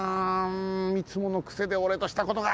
んいつものくせでおれとしたことが！